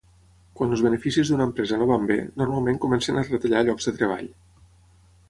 Quan els beneficis d'una empresa no van bé, normalment comencen a retallar llocs de treball.